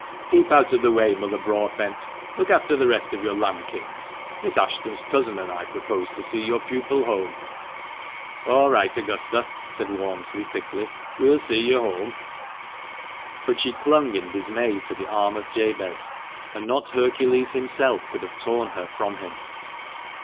"Keep out of the way, Mother Broadbent. Look after the rest of your lambkins. Miss Ashton's cousin and I propose to see your pupil home." " All right, Augusta," said Walmsley, thickly ;" we'll see you home." " BRAVO CLEGG ! THE MANCHESTER MAN. 221 But she clung in dismay to the arm of Jabez, and not Hercules himself could have torn her from him.